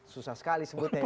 susah sekali sebutnya ya